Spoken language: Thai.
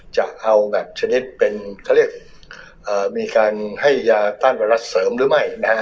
จะเอาแบบชนิดเป็นเขาเรียกมีการให้ยาต้านไวรัสเสริมหรือไม่นะฮะ